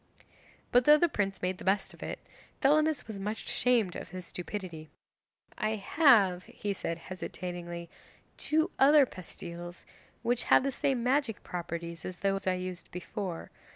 'But though the prince made the best of it, Thelamis was much ashamed of his stupidity. "I have," he said hesitatingly, "two other pastilles which have the same magic properties as those I used before.